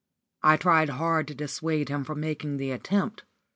I tried hard to dissuade him from making the attempt.